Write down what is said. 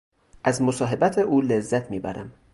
از مصاحبت او لذت میبرم.